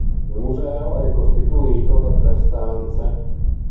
Il museo è costituito da tre stanze.